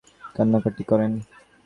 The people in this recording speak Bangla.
রাজমহিষী বিভাকে দেখিয়া কান্নাকাটি করেন।